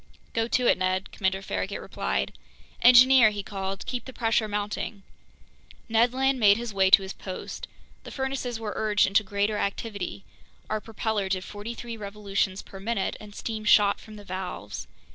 "Go to it, Ned," Commander Farragut replied. "Engineer," he called, "keep the pressure mounting!" Ned Land made his way to his post. The furnaces were urged into greater activity; our propeller did forty three revolutions per minute, and steam shot from the valves.